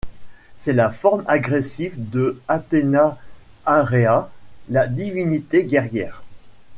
C'est la forme agressive de Athéna Areia, la divinité guerrière.